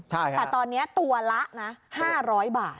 แต่ตอนนี้ตัวละนะ๕๐๐บาท